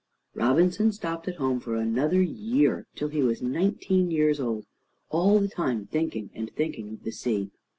Robinson stopped at home for another year, till he was nineteen years old, all the time thinking and thinking of the sea.